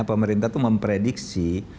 pemerintah itu memprediksi